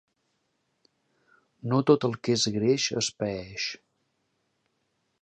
No tot el que és greix es paeix.